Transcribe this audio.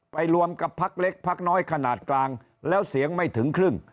รวมกับพักเล็กพักน้อยขนาดกลางแล้วเสียงไม่ถึงครึ่ง